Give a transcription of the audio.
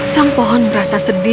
sang pohon merasa sedih